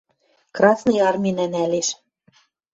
Красный Арминӓ нӓлеш.